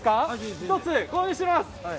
１つ購入します。